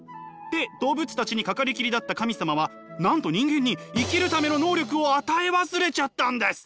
で動物たちに掛かりきりだった神様はなんと人間に生きるための能力を与え忘れちゃったんです。